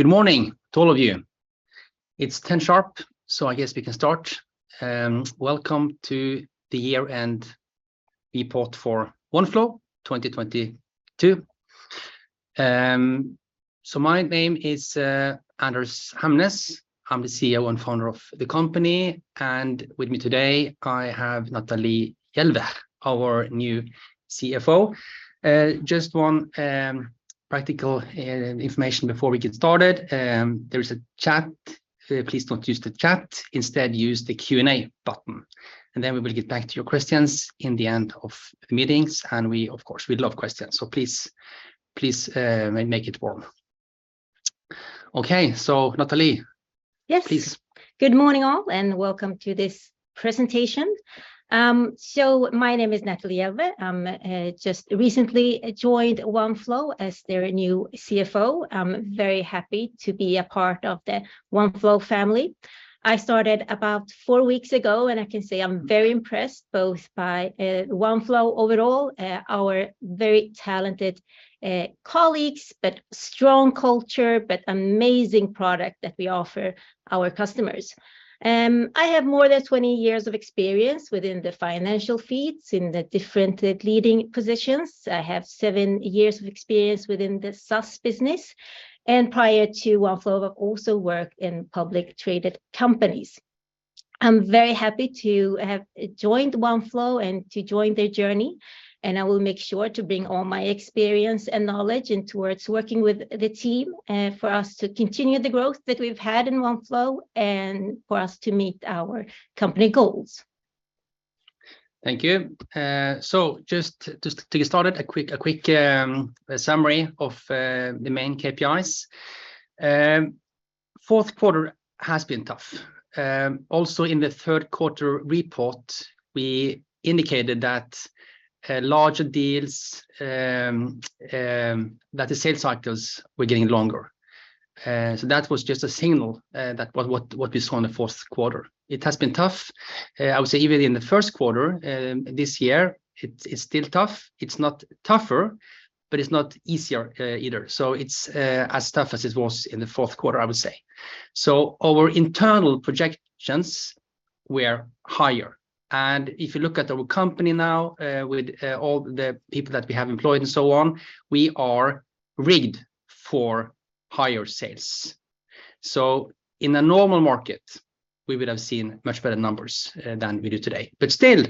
Good morning to all of you. It's 10:00 AM sharp, I guess we can start. Welcome to the Year-end Report for Oneflow 2022. My name is Anders Hamnes. I'm the CEO and Founder of the company, and with me today I have Natalie Jelveh, our new CFO. Just one practical information before we get started. There is a chat. Please don't use the chat. Instead, use the Q&A button, then we will get back to your questions in the end of the meetings. Of course, we love questions, please make it warm. Natalie- Yes. Please. Good morning, all, and welcome to this presentation. My name is Natalie Jelveh. I'm just recently joined Oneflow as their new CFO. I'm very happy to be a part of the Oneflow family. I started about four weeks ago, and I can say I'm very impressed both by Oneflow overall, our very talented colleagues, but strong culture, but amazing product that we offer our customers. I have more than 20 years of experience within the financial fields in the different leading positions. I have seven years of experience within the SaaS business, and prior to Oneflow, I've also worked in public traded companies. I'm very happy to have joined Oneflow and to join their journey, I will make sure to bring all my experience and knowledge in towards working with the team, for us to continue the growth that we've had in Oneflow and for us to meet our company goals. Thank you. Just to get started, a quick summary of the main KPIs. Fourth quarter has been tough. Also in the Q3 report, we indicated that larger deals, that the sales cycles were getting longer. That was just a signal that what we saw in the Q4. It has been tough. I would say even in the Q1 this year, it's still tough. It's not tougher, but it's not easier either. It's as tough as it was in the Q4, I would say. Our internal projections were higher, and if you look at our company now, with all the people that we have employed and so on, we are rigged for higher sales. In a normal market, we would have seen much better numbers than we do today. Still,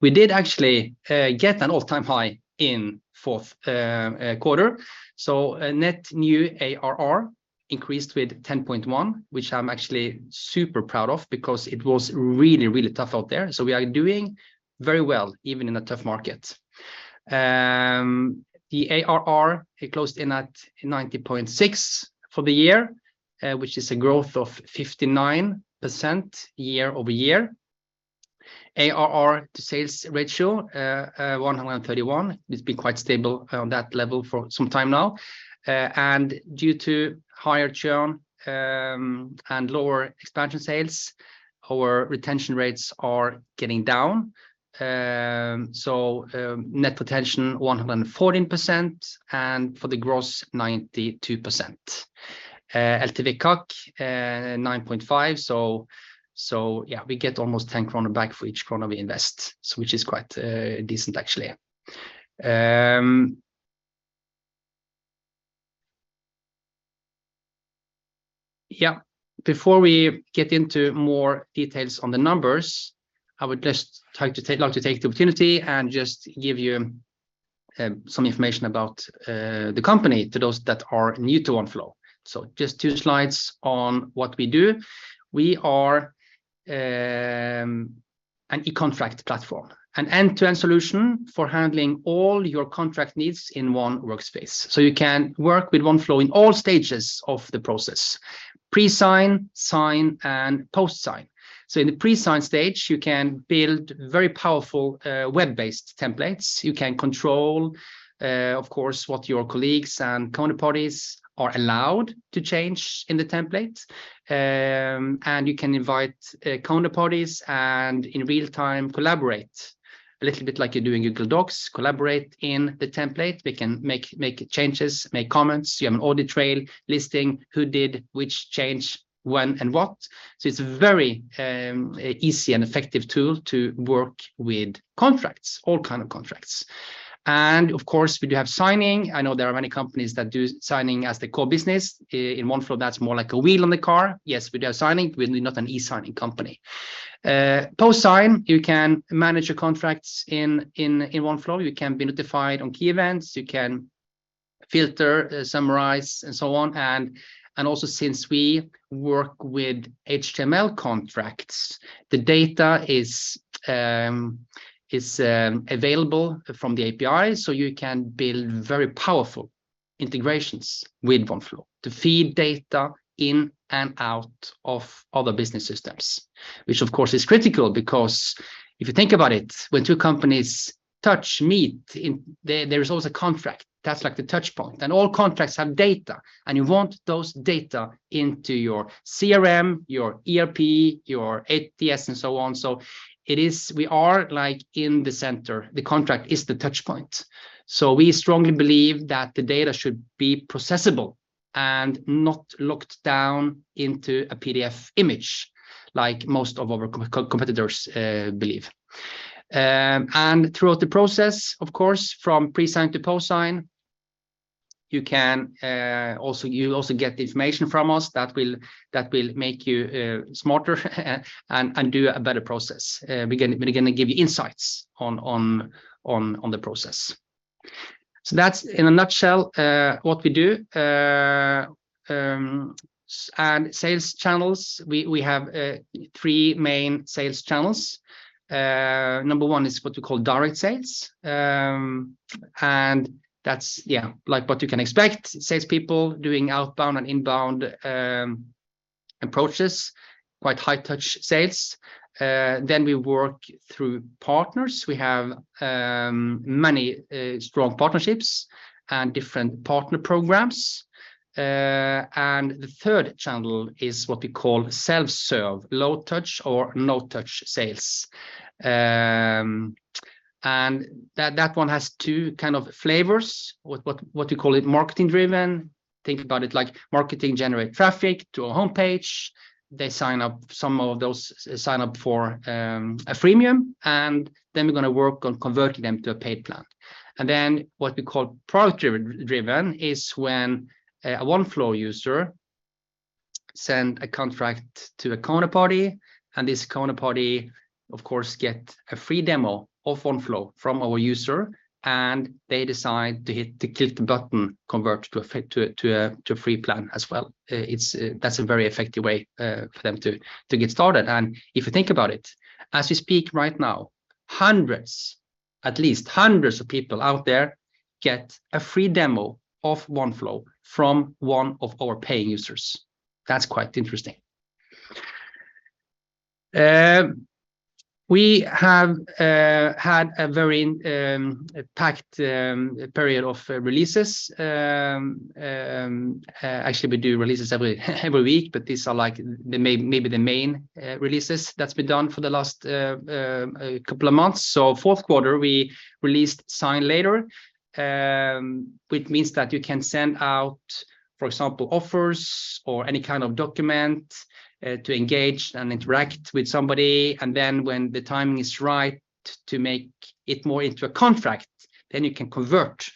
we did actually get an all-time high in Q4. Net New ARR increased with 10.1, which I'm actually super proud of because it was really, really tough out there. We are doing very well, even in a tough market. The ARR, it closed in at 90.6 for the year, which is a growth of 59% year-over-year. ARR to sales ratio 131. It's been quite stable on that level for some time now. Due to higher churn and lower expansion sales, our retention rates are getting down. Net retention 114%, and for the Gross, 92%. LTV:CAC 9.5. Yeah, we get almost 10 krona back for each SEK we invest, so which is quite decent, actually. Yeah, before we get into more details on the numbers, I would just like to take the opportunity and just give you some information about the company to those that are new to OneFlow. Just two slides on what we do. We are an eContract platform, an end-to-end solution for handling all your contract needs in one workspace, so you can work with OneFlow in all stages of the process: pre-sign, sign, and post-sign. In the pre-sign stage, you can build very powerful, web-based templates. You can control, of course, what your colleagues and counterparties are allowed to change in the template. You can invite counterparties and in real time collaborate, a little bit like you do in Google Docs, collaborate in the template. We can make changes, make comments. You have an audit trail listing who did which change, when, and what. It's a very easy and effective tool to work with contracts, all kind of contracts. Of course, we do have signing. I know there are many companies that do signing as the core business. In OneFlow, that's more like a wheel on the car. Yes, we do have signing. We're not an eSigning company. Post-sign, you can manage your contracts in OneFlow. You can be notified on key events. You can filter, summarize, and so on. Also since we work with HTML contracts, the data is available from the API, so you can build very powerful integrations with Oneflow to feed data in and out of other business systems. Which of course is critical because if you think about it, when two companies touch, meet, there is always a contract. That's like the touch point, and all contracts have data, and you want those data into your CRM, your ERP, your ATS, and so on. We are, like, in the center. The contract is the touch point. We strongly believe that the data should be processable. And not locked down into a PDF image like most of our competitors believe. Throughout the process, of course, from pre-sign to post-sign, you can also... You also get the information from us that will make you smarter and do a better process. We're gonna give you insights on the process. That's in a nutshell what we do. Sales channels, we have three main sales channels. Number one is what we call direct sales. That's, yeah, like what you can expect, salespeople doing outbound and inbound approaches, quite high-touch sales. Then we work through partners. We have many strong partnerships and different partner programs. The third channel is what we call self-serve, low-touch or no-touch sales. That, that one has two kind of flavors. What we call it marketing driven. Think about it like marketing generate traffic to a homepage. They sign up. Some of those sign up for a freemium, then we're gonna work on converting them to a paid plan. Then what we call product driven is when a Oneflow user send a contract to a counterparty. This counterparty, of course, get a free demo of Oneflow from our user. They decide to hit the click-to-button convert to a free plan as well. That's a very effective way for them to get started. If you think about it, as we speak right now, hundreds, at least hundreds of people out there get a free demo of Oneflow from one of our paying users. That's quite interesting. We have had a very a packed period of releases. Actually, we do releases every week, but these are, like, maybe the main releases that's been done for the last couple of months. Q4, we released Sign later, which means that you can send out, for example, offers or any kind of document to engage and interact with somebody. When the timing is right to make it more into a contract, then you can convert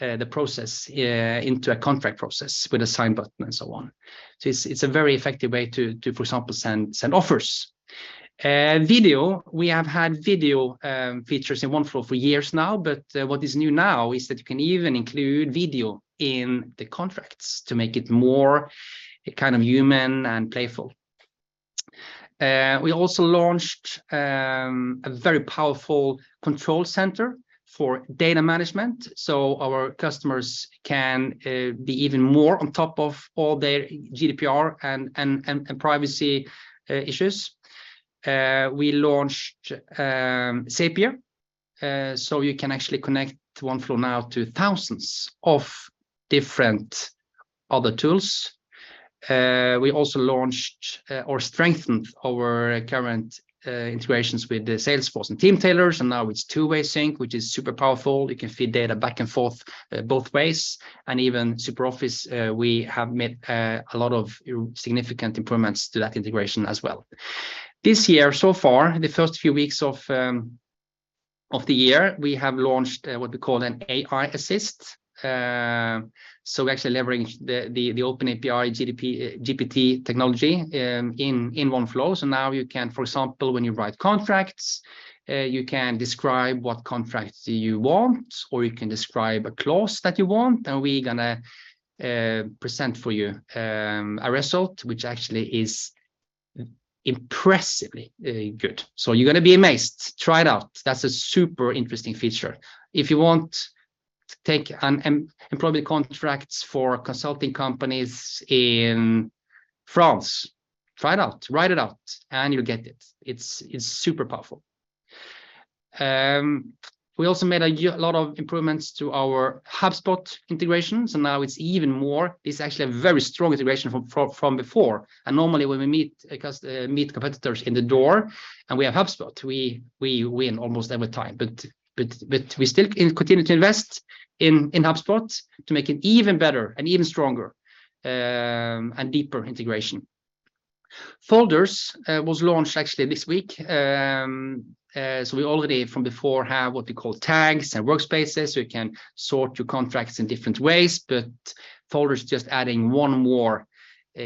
the process into a contract process with a sign button and so on. It's a very effective way to, for example, send offers. Video, we have had video features in Oneflow for years now, but what is new now is that you can even include video in the contracts to make it more kind of human and playful. We also launched a very powerful control center for data management, so our customers can be even more on top of all their GDPR and privacy issues. We launched Zapier, so you can actually connect Oneflow now to thousands of different other tools. We also launched or strengthened our current integrations with Salesforce and Teamtailor, so now it's two-way sync, which is super powerful. You can feed data back and forth both ways. Even SuperOffice, we have made a lot of significant improvements to that integration as well. This year, so far, the first few weeks of the year, we have launched what we call an AI Assist. We're actually leveraging the OpenAI GPT technology in Oneflow. Now you can, for example, when you write contracts, you can describe what contracts you want, or you can describe a clause that you want, and we're gonna present for you a result which actually is impressively good. You're gonna be amazed. Try it out. That's a super interesting feature. If you want to take an employment contracts for consulting companies in France, try it out. Write it out, and you'll get it. It's super powerful. We also made a lot of improvements to our HubSpot integrations, and now it's even more... It's actually a very strong integration from before. Normally, when we meet competitors in the door, and we have HubSpot, we win almost every time. We still continue to invest in HubSpot to make it even better and even stronger and deeper integration. Folders was launched actually this week. We already from before have what we call tags and workspaces, so you can sort your contracts in different ways. Folders just adding one more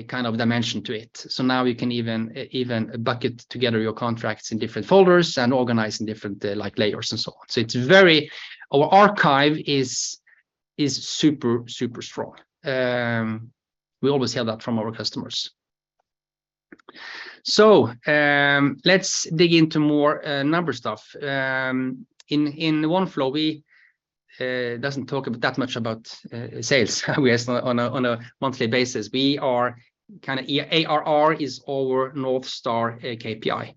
kind of dimension to it. Now you can even bucket together your contracts in different folders and organize in different like layers and so on. Our archive is super strong. We always hear that from our customers. Let's dig into more number stuff. In OneFlow, we doesn't talk that much about sales. We are on a monthly basis. We are. ARR is our North Star KPI.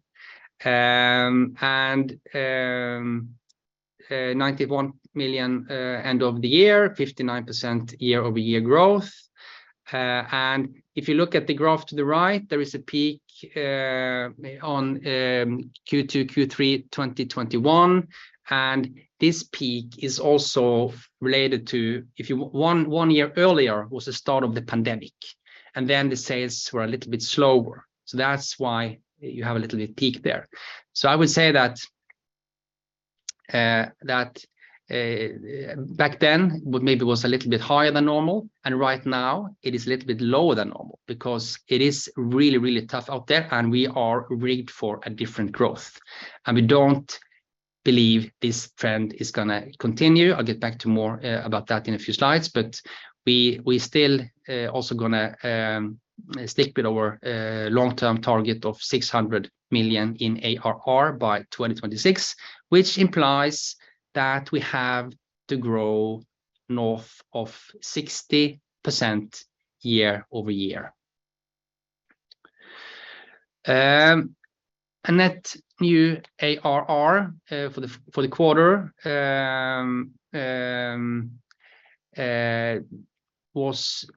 91 million end of the year, 59% year-over-year growth. If you look at the graph to the right, there is a peak on Q2, Q3 2021, and this peak is also related to. One year earlier was the start of the pandemic, and then the sales were a little bit slower. That's why you have a little bit peak there. I would say that back then maybe was a little bit higher than normal, and right now it is a little bit lower than normal because it is really, really tough out there, and we are rigged for a different growth. We don't believe this trend is gonna continue. I'll get back to more about that in a few slides. We still also gonna stick with our long-term target of 600 million in ARR by 2026, which implies that we have to grow north of 60% year-over-year. Net New ARR for the quarter was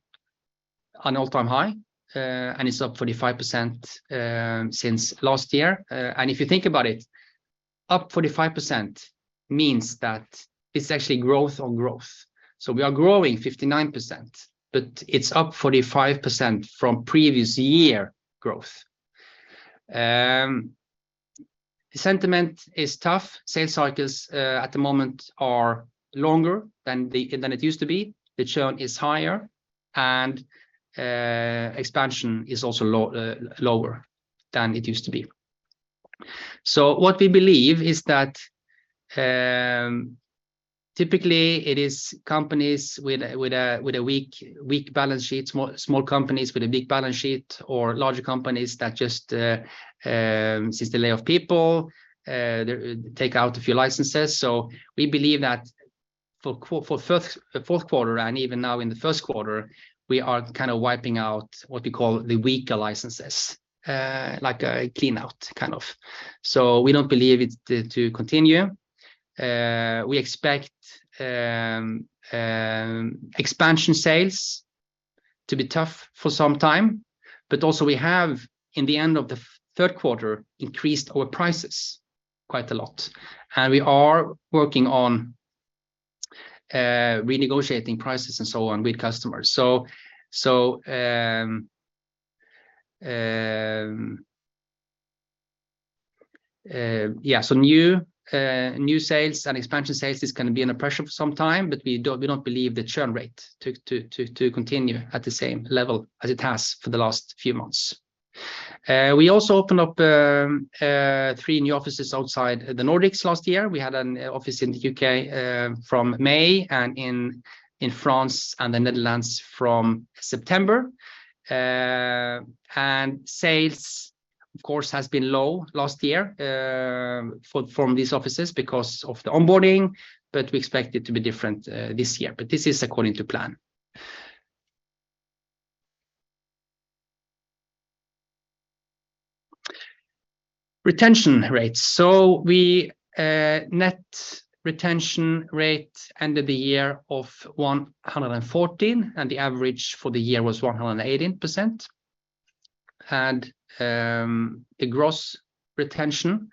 an all-time high. It's up 45% since last year. If you think about it, up 45% means that it's actually growth on growth. We are growing 59%, but it's up 45% from previous year growth. Sentiment is tough. Sales cycles at the moment are longer than it used to be. The churn is higher, and expansion is also lower than it used to be. What we believe is that, typically it is companies with a weak balance sheets, small companies with a big balance sheet or larger companies that just since they lay off people, they take out a few licenses. We believe that for Q4 and even now in the first quarter, we are kind of wiping out what we call the weaker licenses. Like a clean out kind of. We don't believe it to continue. We expect expansion sales to be tough for some time. Also we have, in the end of the third quarter, increased our prices quite a lot. We are working on renegotiating prices and so on with customers. Yeah. New sales and expansion sales is gonna be under pressure for some time, but we don't believe the churn rate to continue at the same level as it has for the last few months. We also opened up three new offices outside the Nordics last year. We had an office in the U.K. from May and in France and the Netherlands from September. Sales of course has been low last year from these offices because of the onboarding, but we expect it to be different this year. This is according to plan. Retention rates. We net retention rate ended the year of 114, and the average for the year was 118%. The gross retention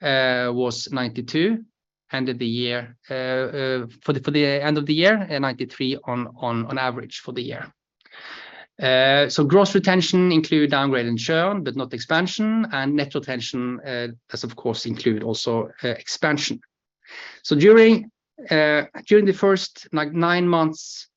was 92, ended the year. For the end of the year, 93 on average for the year. Gross retention include downgrade and churn, but not expansion. Net retention does of course include also expansion. During the first nine months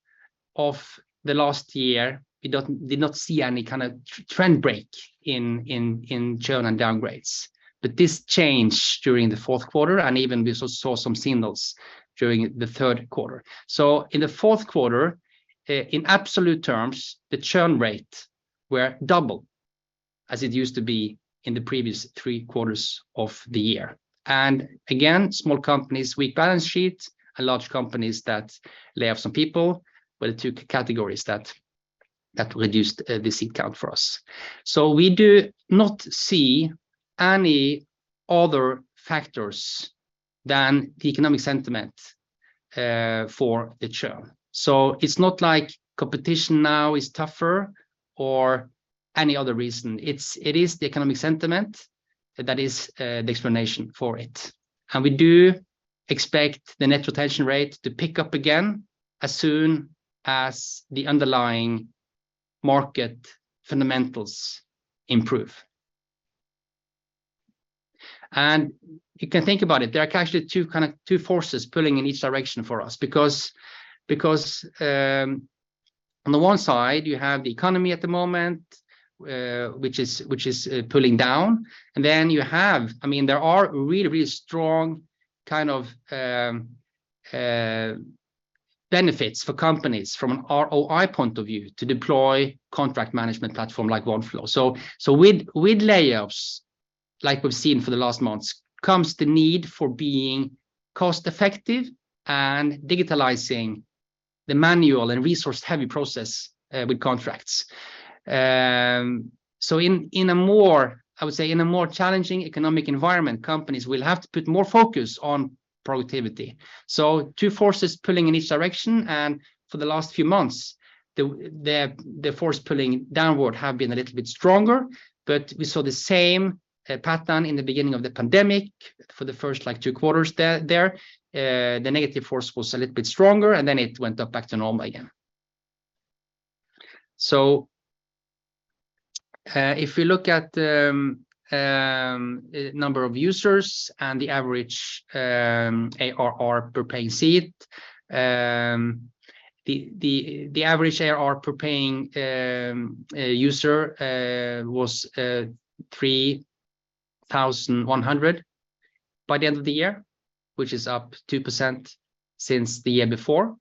of the last year, we did not see any kind of trend break in churn and downgrades. This changed during Q4, even we saw some signals during Q3. In Q4, in absolute terms, the churn rate were double as it used to be in the previous three quarters of the year. Again, small companies, weak balance sheet, and large companies that lay off some people were the two categories that reduced the seat count for us. We do not see any other factors than the economic sentiment for the churn. It is not like competition now is tougher or any other reason. It is the economic sentiment that is the explanation for it. We do expect the net retention rate to pick up again as soon as the underlying market fundamentals improve. You can think about it. There are actually two forces pulling in each direction for us because on the one side, you have the economy at the moment, which is pulling down. Then you have... I mean, there are really strong kind of benefits for companies from an ROI point of view to deploy contract management platform like Oneflow. With layoffs, like we've seen for the last months, comes the need for being cost-effective and digitalizing the manual and resource-heavy process with contracts. In a more, I would say in a more challenging economic environment, companies will have to put more focus on productivity. Two forces pulling in each direction, for the last few months, the force pulling downward have been a little bit stronger. We saw the same pattern in the beginning of the pandemic for the first like two quarters there. The negative force was a little bit stronger, it went up back to normal again. If you look at the number of users and the average ARR per paying seat, the average ARR per paying user was 3,100 by the end of the year, which is up 2% since the year before.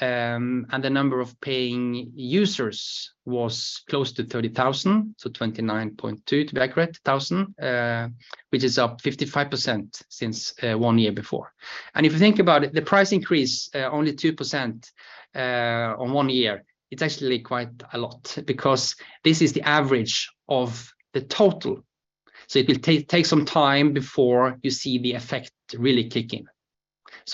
The number of paying uses was close to 30,000, so 29.2 thousand, to be accurate, which is up 55% since one year before. If you think about it, the price increase only 2% on one year, it's actually quite a lot because this is the average of the total. It will take some time before you see the effect really kick in.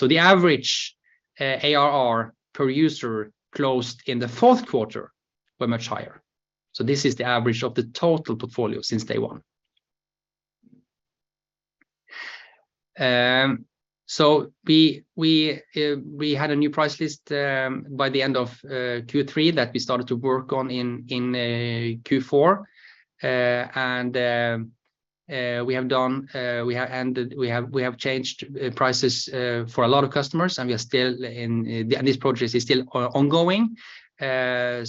The average ARR per user closed in the Q4 were much higher. This is the average of the total portfolio since day one. We had a new price list by the end of Q3 that we started to work on in Q4. We have changed prices for a lot of customers, and we are still in... This project is still ongoing. I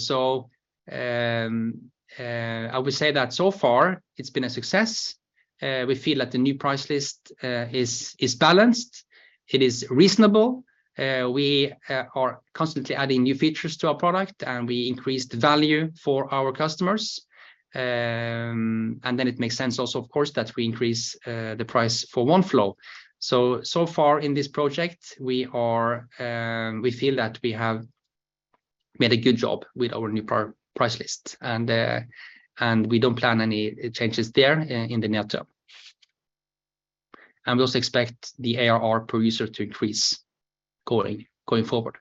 would say that so far it's been a success. We feel that the new price list is balanced. It is reasonable. We are constantly adding new features to our product, and we increase the value for our customers. It makes sense also, of course, that we increase the price for Oneflow. So far in this project, we feel that we have made a good job with our new price list. We don't plan any changes there in the near term. We also expect the ARR per user to increase going forward.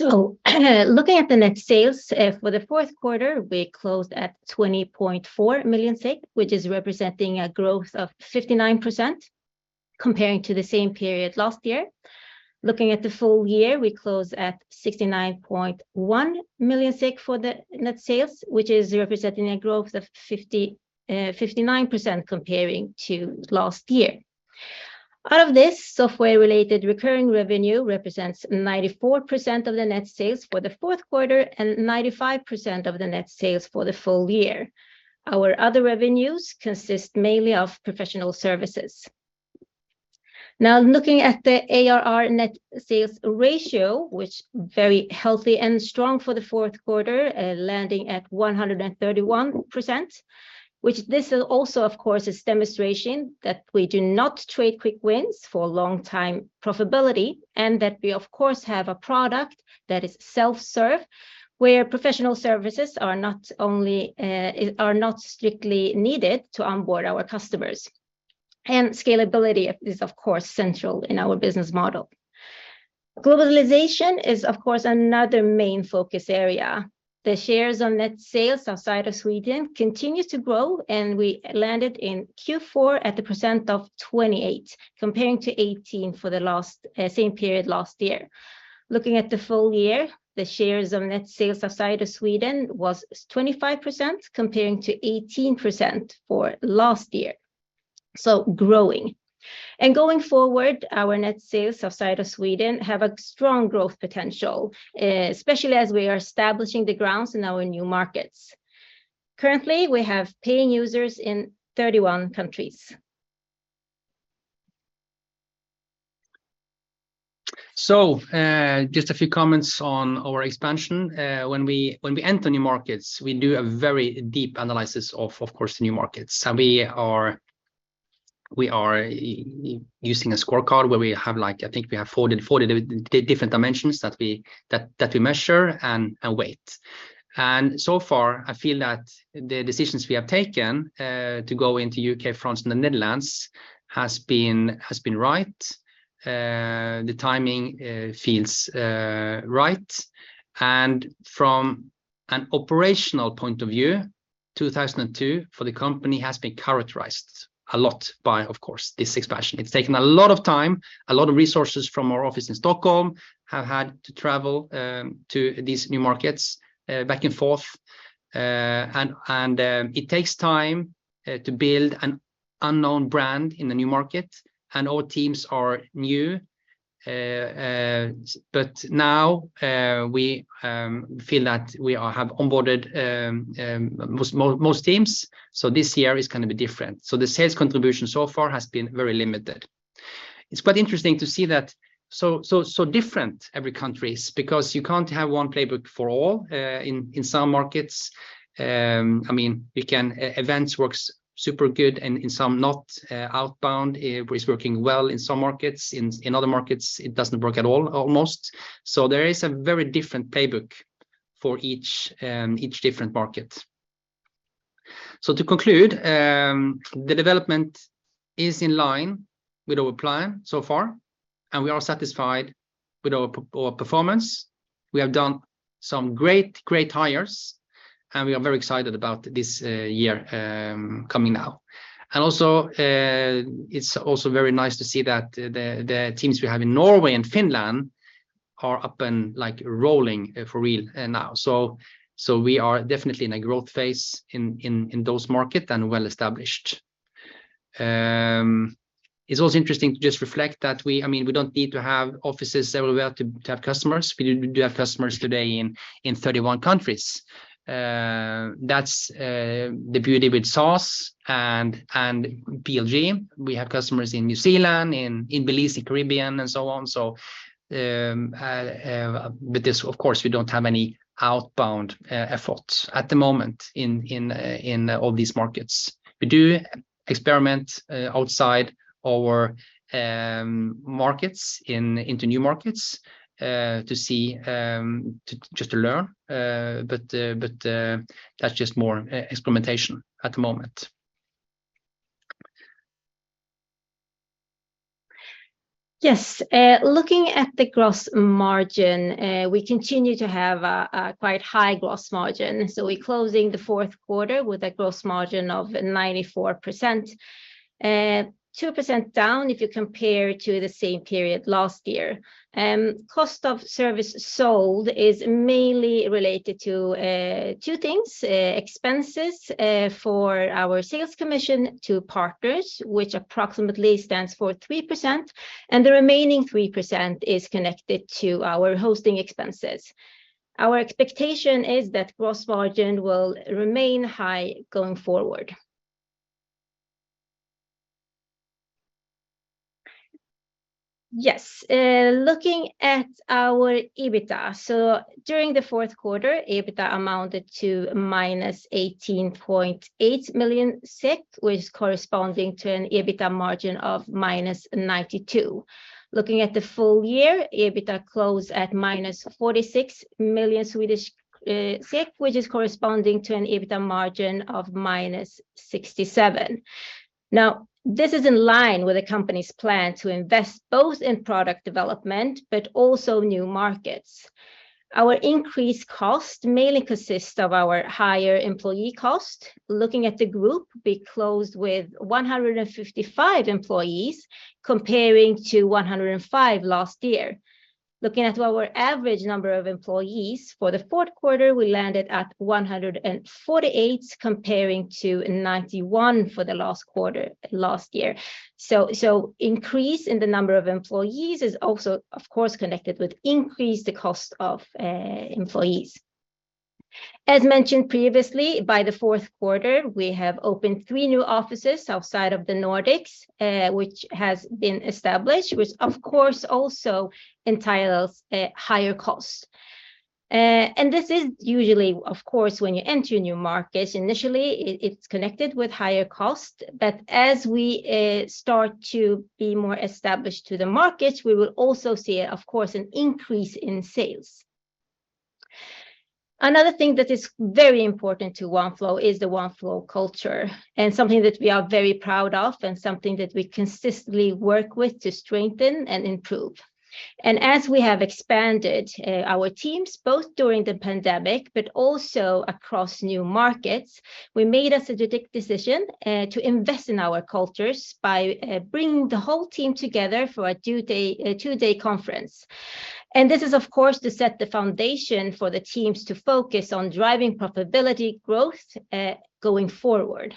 Looking at the net sales for the Q4, we closed at 20.4 million, which is representing a growth of 59% comparing to the same period last year. Looking at the full year, we closed at 69.1 million for the net sales, which is representing a growth of 59% comparing to last year. Out of this, software-related recurring revenue represents 94% of the net sales for the fourth quarter and 95% of the net sales for the full year. Our other revenues consist mainly of professional services. Looking at the ARR net sales ratio, which very healthy and strong for the Q4, landing at 131%, which this is also, of course, is demonstration that we do not trade quick wins for long-time profitability and that we of course have a product that is self-serve, where professional services are not only, are not strictly needed to onboard our customers. Scalability is of course central in our business model. Globalization is of course another main focus area. The shares on net sales outside of Sweden continues to grow, we landed in Q4 at 28%, comparing to 18 for the last, same period last year. Looking at the full year, the shares of net sales outside of Sweden was 25% comparing to 18% for last year. Growing. Going forward, our net sales outside of Sweden have a strong growth potential, especially as we are establishing the grounds in our new markets. Currently, we have paying users in 31 countries. Just a few comments on our expansion. When we, when we enter new markets, we do a very deep analysis of course, new markets. We are using a scorecard where we have like I think we have 40 different dimensions that we measure and weight. So far, I feel that the decisions we have taken to go into U.K., France, and the Netherlands has been right. The timing feels right. From an operational point of view, 2022 for the company has been characterized a lot by, of course, this expansion. It's taken a lot of time, a lot of resources from our office in Stockholm have had to travel to these new markets back and forth. It takes time to build an unknown brand in a new market, and our teams are new. Now, we feel that we have onboarded most teams, so this year is gonna be different. The sales contribution so far has been very limited. It's quite interesting to see that so, so different every countries because you can't have one playbook for all. In some markets, I mean, we can. Events works super good, and in some not. Outbound is working well in some markets. In other markets, it doesn't work at all almost. There is a very different playbook for each different market. To conclude, the development is in line with our plan so far, and we are satisfied with our performance. We have done some great hires, we are very excited about this year coming now. It's also very nice to see that the teams we have in Norway and Finland are up and, like, rolling for real now. We are definitely in a growth Phase in those market and well-established. It's also interesting to just reflect that I mean, we don't need to have offices everywhere to have customers. We do have customers today in 31 countries. That's the beauty with SaaS and PLG. We have customers in New Zealand, in Belize, the Caribbean, and so on. With this, of course, we don't have any outbound efforts at the moment in all these markets. We do experiment outside our markets in new markets to see just to learn, but that's just more experimentation at the moment. Yes. Looking at the gross margin, we continue to have a quite high gross margin. We closing the Q4 with a gross margin of 94%. 2% down if you compare to the same period last year. Cost of service sold is mainly related to two things, expenses for our sales commission to partners, which approximately stands for 3%, and the remaining 3% is connected to our hosting expenses. Our expectation is that gross margin will remain high going forward. Yes. Looking at our EBITDA. During the fourth quarter, EBITDA amounted to minus 18.8 million, which is corresponding to an EBITDA margin of minus 92%. Looking at the full year, EBITDA closed at minus 46 million Swedish SEK, which is corresponding to an EBITDA margin of minus 67%. This is in line with the company's plan to invest both in product development but also new markets. Our increased cost mainly consists of our higher employee cost. Looking at the group, we closed with 155 employees comparing to 105 last year. Looking at our average number of employees, for the Q4, we landed at 148 comparing to 91 for the last quarter last year. Increase in the number of employees is also, of course, connected with increased cost of employees. As mentioned previously, by the Q4, we have opened three new offices outside of the Nordics, which has been established, which of course also entitles higher costs. This is usually, of course, when you enter new markets, initially it's connected with higher cost. As we start to be more established to the markets, we will also see, of course, an increase in sales. Another thing that is very important to Oneflow is the Oneflow culture, and something that we are very proud of and something that we consistently work with to strengthen and improve. As we have expanded our teams, both during the pandemic but also across new markets, we made a strategic decision to invest in our cultures by bringing the whole team together for a two-day conference. This is, of course, to set the foundation for the teams to focus on driving profitability growth going forward.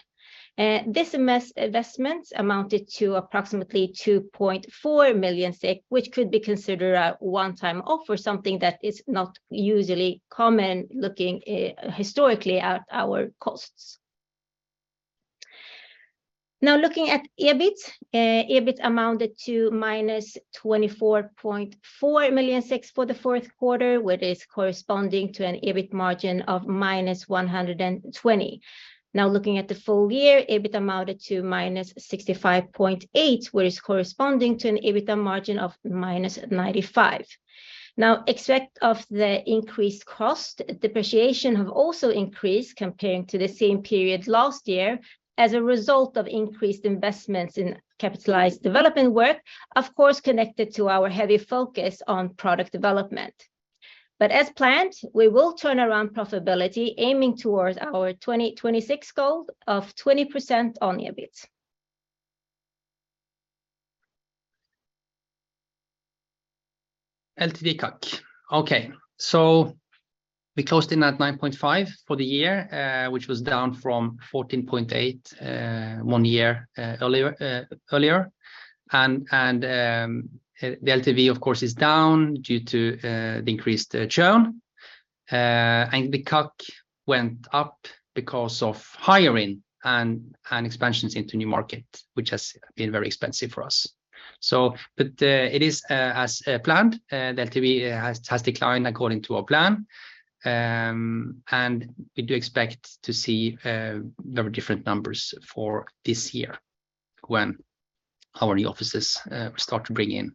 This investment amounted to approximately 2.4 million, which could be considered a one-time off or something that is not usually common looking historically at our costs. Now looking at EBIT. EBIT amounted to minus 24.4 million for the fourth quarter, which is corresponding to an EBIT margin of minus 120. Looking at the full year, EBIT amounted to minus 65.8, which is corresponding to an EBIT margin of minus 95. Except of the increased cost, depreciation have also increased comparing to the same period last year as a result of increased investments in capitalized development work, of course, connected to our heavy focus on product development. As planned, we will turn around profitability aiming towards our 2026 goal of 20% on EBIT. LTV:CAC. Okay. We closed in at 9.5 for the year, which was down from 14.8, 1 year earlier. The LTV of course is down due to the increased churn. The CAC went up because of hiring and expansions into new markets, which has been very expensive for us. It is, as planned. The LTV has declined according to our plan. We do expect to see very different numbers for this year when our new offices start to bring in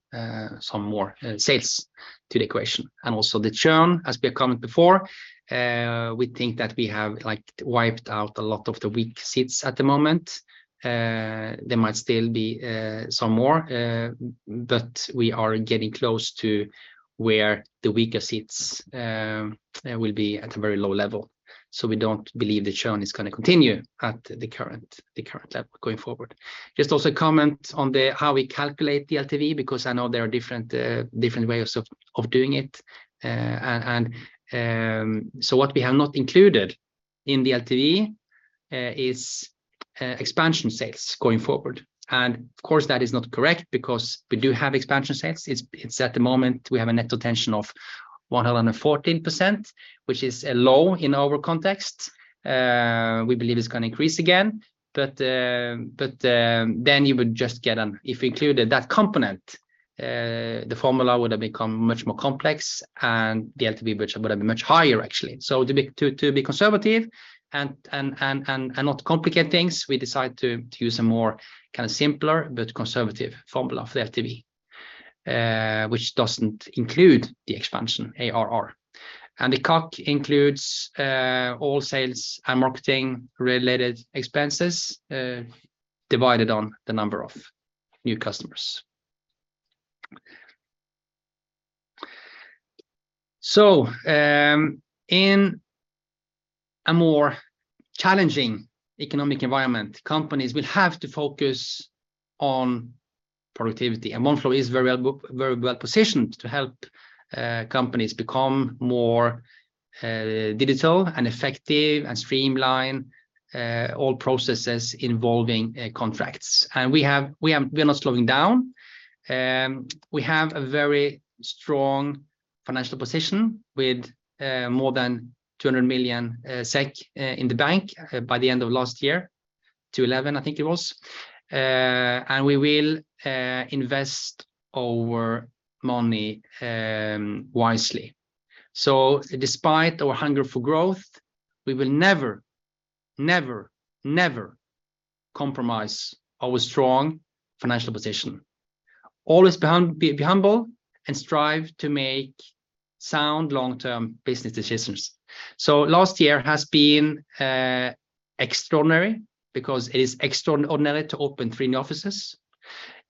some more sales to the equation. Also the churn, as we have commented before, we think that we have, like, wiped out a lot of the weak seats at the moment. There might still be some more, but we are getting close to where the weaker seats will be at a very low level. We don't believe the churn is gonna continue at the current level going forward. Just also comment on the how we calculate the LTV because I know there are different ways of doing it. What we have not included in the LTV is expansion sales going forward. Of course, that is not correct because we do have expansion sales. It's at the moment we have a net retention of 114%, which is low in our context. We believe it's gonna increase again. You would just get an... If we included that component, the formula would have become much more complex, and the LTV budget would have been much higher actually. To be conservative and not complicate things, we decide to use a more kind of simpler but conservative formula for the LTV, which doesn't include the expansion ARR. The CAC includes all sales and marketing related expenses, divided on the number of new customers. In a more challenging economic environment, companies will have to focus on productivity. Oneflow is very well positioned to help companies become more digital and effective and streamline all processes involving contracts. We are not slowing down. We have a very strong financial position with more than 200 million SEK in the bank by the end of last year, 211, I think it was. We will invest our money wisely. Despite our hunger for growth, we will never, never compromise our strong financial position. Always be humble and strive to make sound long-term business decisions. Last year has been extraordinary because it is extraordinary to open three new offices.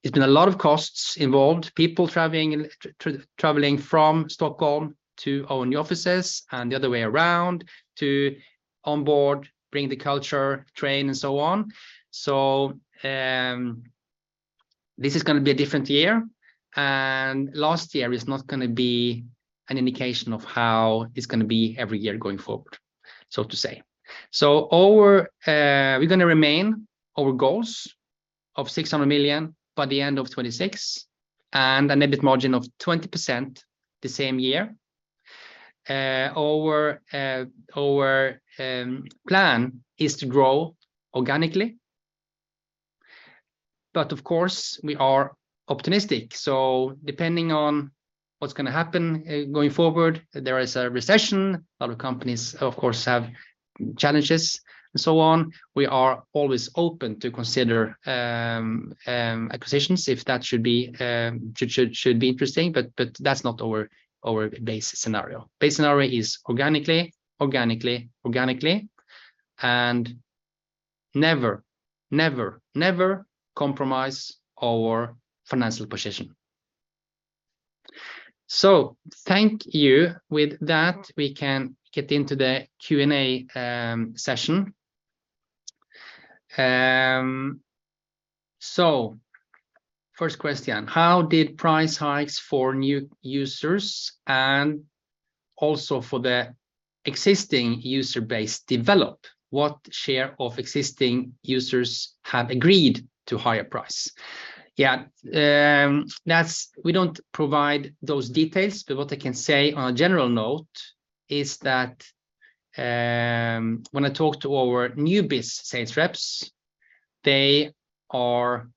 It's been a lot of costs involved, people traveling from Stockholm to our new offices and the other way around to onboard, bring the culture, train, and so on. This is going to be a different year, and last year is not going to be an indication of how it's going to be every year going forward, so to say. Our, we are going to remain our goals of 600 million by the end of 2026 and an EBIT margin of 20% the same year. Our, our plan is to grow organically. Of course, we are optimistic. Depending on what's going to happen, going forward, there is a recession. A lot of companies, of course, have challenges and so on. We are always open to consider acquisitions if that should be interesting, but that's not our base scenario. Base scenario is organically, organically, and never, never compromise our financial position. Thank you. With that, we can get into the Q&A session. First question, how did price hikes for new users and also for the existing user base develop? What share of existing users have agreed to higher price? Yeah, we don't provide those details, but what I can say on a general note is that when I talk to our new biz sales reps, they are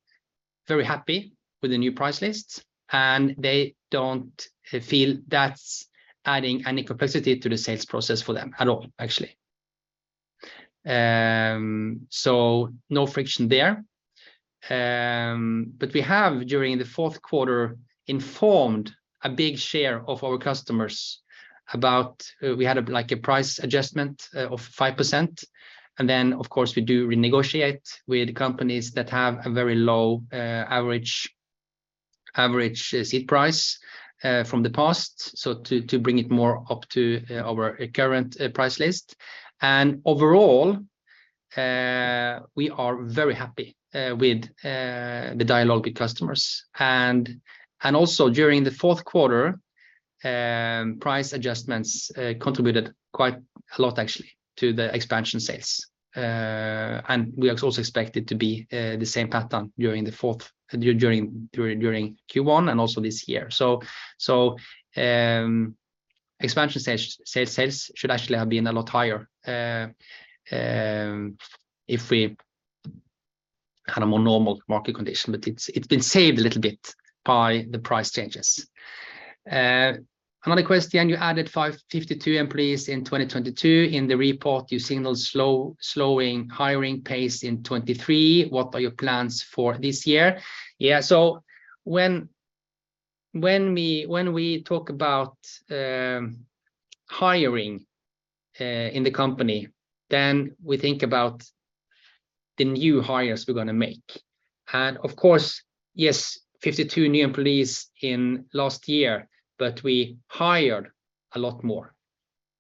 very happy with the new price lists, and they don't feel that's adding any complexity to the sales process for them at all, actually. No friction there. We have, during the fourth quarter, informed a big share of our customers about we had a, like a price adjustment of 5%. Of course, we do renegotiate with companies that have a very low average seat price from the past, to bring it more up to our current price list. Overall, we are very happy with the dialogue with customers. Also during the Q4, price adjustments contributed quite a lot actually to the expansion sales. We also expect it to be the same pattern during Q1 and also this year. Expansion sales should actually have been a lot higher if we had a more normal market condition. It's been saved a little bit by the price changes. Another question. You added 52 employees in 2022. In the report, you signal slowing hiring pace in 2023. What are your plans for this year? When we talk about hiring in the company, we think about the new hires we're gonna make. Of course, yes, 52 new employees in last year, but we hired a lot more.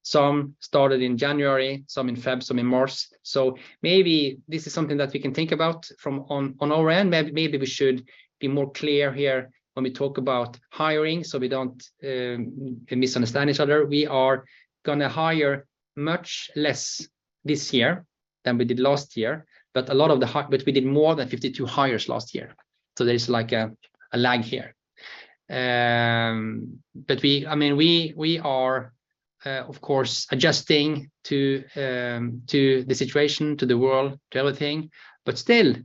Some started in January, some in Feb, some in March. Maybe this is something that we can think about on our end. Maybe we should be more clear here when we talk about hiring, so we don't misunderstand each other. We are gonna hire much less this year than we did last year. We did more than 52 hires last year. There's like a lag here. We, I mean, we are, of course, adjusting to the situation, to the world, to everything. Still,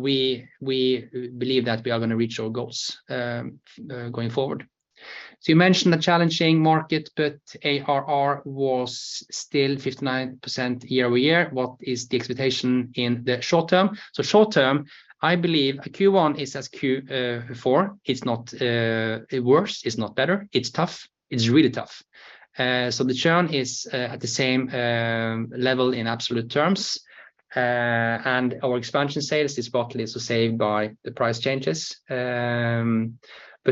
we believe that we are gonna reach our goals going forward. You mentioned a challenging market, ARR was still 59% year-over-year. What is the expectation in the short term? Short term, I believe Q1 is as Q4. It's not worse. It's not better. It's tough. It's really tough. The churn is the same level in absolute terms. And our expansion sales is partly so saved by the price changes.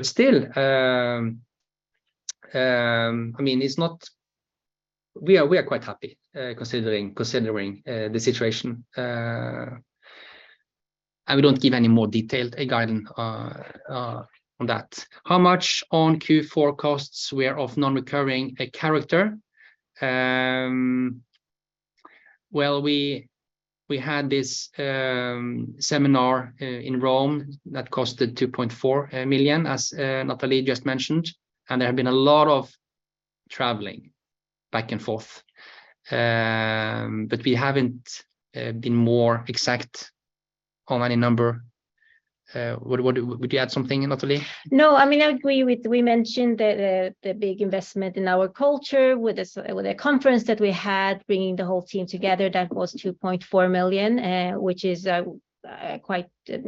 Still, I mean, we are quite happy considering the situation. We don't give any more detailed guidance on that. How much on Q4 costs were of Non-recurring character? Well, we had this seminar in Rome that costed 2.4 million as Nathalie just mentioned. There have been a lot of traveling back and forth. We haven't been more exact on any number. Would you add something, Natalie? No. I mean, I agree with. We mentioned the big investment in our culture with the conference that we had, bringing the whole team together. That was 2.4 million, which is quite a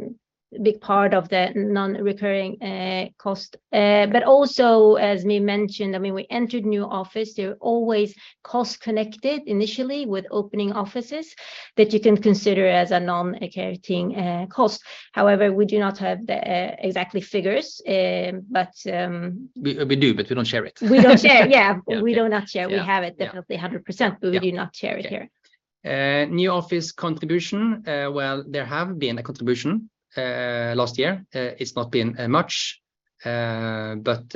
big part of the Non-recurring cost. Also, as we mentioned, I mean, we entered new office. There are always costs connected initially with opening offices that you can consider as a Non-recurring cost. However, we do not have the exact figures. We do, but we don't share it. We don't share, yeah. Yeah. We do not share. Yeah. We have. Yeah... definitely 100%. Yeah. We do not share it here. Okay. New office contribution, well, there have been a contribution last year. It's not been much, but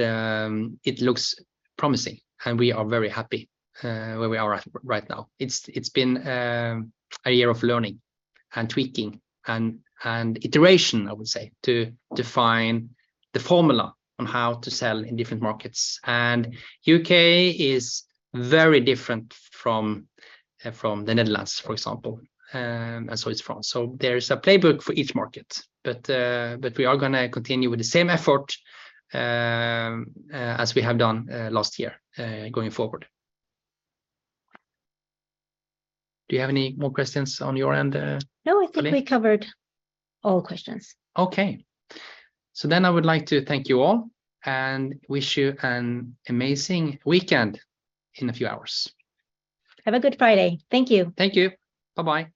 it looks promising, and we are very happy where we are at right now. It's been a year of learning and tweaking and iteration, I would say, to define the formula on how to sell in different markets. U.K. is very different from the Netherlands, for example, and so is France. There is a playbook for each market. We are gonna continue with the same effort as we have done last year going forward. Do you have any more questions on your end, Nathalie? No, I think we covered all questions. Okay. I would like to thank you all and wish you an amazing weekend in a few hours. Have a good Friday. Thank you. Thank you. Bye-bye.